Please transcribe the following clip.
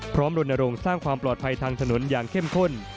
พร้อมลนโรงสร้างความปลอดภัยทางถนนอย่างเข้มข้น